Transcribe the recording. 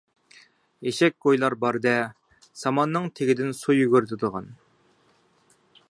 ئېشەك گۇيلا بار-دە، ساماننىڭ تېگىدىن سۇ يۈگۈرتىدىغان.